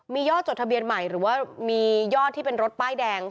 มียอดจดทะเบียนใหม่หรือว่ามียอดที่เป็นรถป้ายแดง